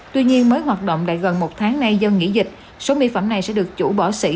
tuy nhiên mới hoạt động lại gần một tháng nay do nghỉ dịch số mỹ phẩm này sẽ được chủ bỏ xỉ